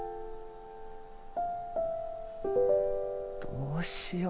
どうしよう？